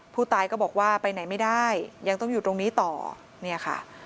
ผู้ตายก็บอกว่าไปไหนไม่ได้ยังต้องอยู่ตรงนี้ต่อเนี่ยค่ะ